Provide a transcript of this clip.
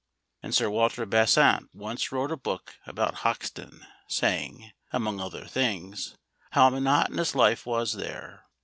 And Sir Walter Besant once wrote a book about Hoxton, saying, among other things, how monotonous life was there.